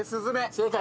正解！